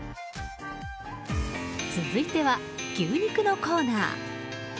続いては、牛肉のコーナー。